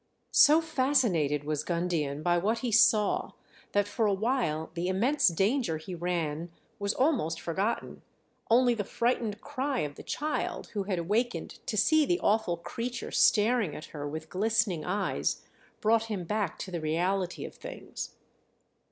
So fascinated was Gundian by what he saw that for a while the immense danger he ran was almost forgotten; only the frightened cry of the child, who had awakened to see the awful creature staring at her with glistening eyes, brought him back to the reality of things.